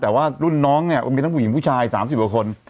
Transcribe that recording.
แต่ว่ารุ่นน้องเนี่ยมีทั้งผู้หญิงผู้ชาย๓๐กว่าคน